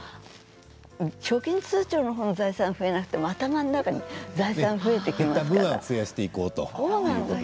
貯金通帳の財産が増えなくても頭の中に財産が増えていきます。